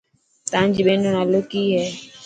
تانجي ٻين رو نالو ڪي هي.